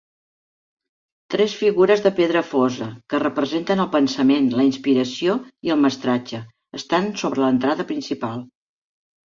Tres figures de pedra fosa, que representen el pensament, la inspiració i el mestratge, estan sobre l'entrada principal.